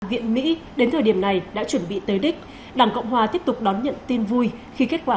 viện mỹ đến thời điểm này đã chuẩn bị tới đích đảng cộng hòa tiếp tục đón nhận tin vui khi kết quả